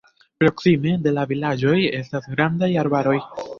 Proksime de la vilaĝoj estas grandaj arbaroj.